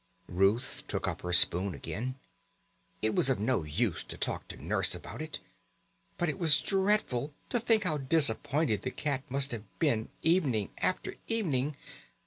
Ruth took up her spoon again. It was of no use to talk to Nurse about it, but it was dreadful to think how disappointed the cat must have been evening after evening.